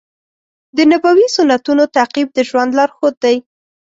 د نبوي سنتونو تعقیب د ژوند لارښود دی.